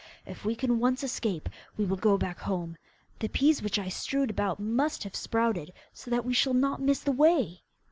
If we can once escape, we will go back home. The peas which I strewed about must have sprouted, so that we shall not miss the way.